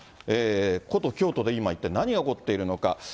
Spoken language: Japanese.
古都京都で一体今何が起こっているのか。